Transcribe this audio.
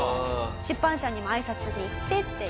出版社にもあいさつに行ってっていう。